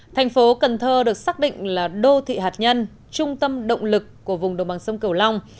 thành phố cần thơ được xác định là đô thị hạt nhân trung tâm động lực của vùng đồng bằng sông cửu long